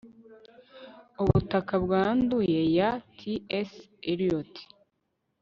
ubutaka bwanduye ya t. s. eliot